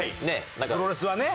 プロレスはね。